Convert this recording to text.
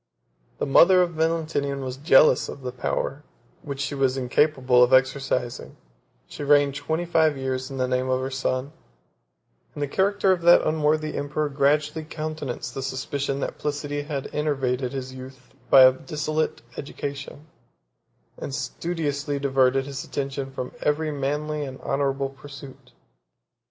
The mother of Valentinian was jealous of the power which she was incapable of exercising; 8 she reigned twenty five years, in the name of her son; and the character of that unworthy emperor gradually countenanced the suspicion that Placidia had enervated his youth by a dissolute education, and studiously diverted his attention from every manly and honorable pursuit.